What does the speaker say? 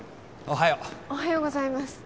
おはようございます